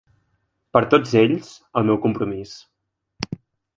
Per tots ells, el meu compromís.